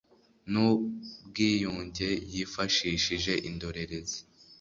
n ubwiyunge yifashishije indorerezi